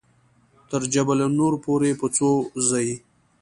تر جبل نور پورې په څو ځې.